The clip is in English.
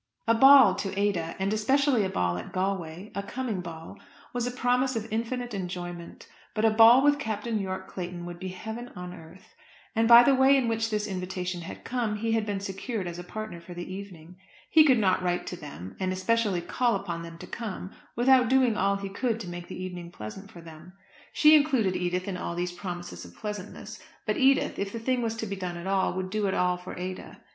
A ball to Ada, and especially a ball at Galway, a coming ball, was a promise of infinite enjoyment; but a ball with Captain Yorke Clayton would be heaven on earth. And by the way in which this invitation had come he had been secured as a partner for the evening. He could not write to them, and especially call upon them to come without doing all he could to make the evening pleasant for them. She included Edith in all these promises of pleasantness. But Edith, if the thing was to be done at all, would do it all for Ada.